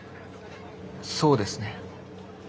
そうですね。